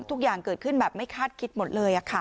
ทุกอย่างเกิดขึ้นแบบไม่คาดคิดหมดเลย